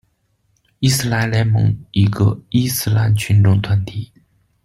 伊斯兰联盟一个伊斯兰群众团体。